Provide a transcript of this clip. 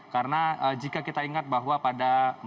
karena jika kita ingat bahwa pada dua ribu empat belas